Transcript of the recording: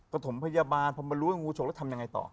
ถมพยาบาลพอมารู้ว่างูฉกแล้วทำยังไงต่อ